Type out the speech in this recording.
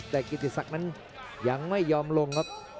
แต่กิติศักดิ์นั้นยังไม่ยอมลงครับ